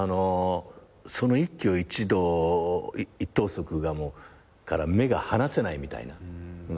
その一挙一動一投足から目が離せないみたいな。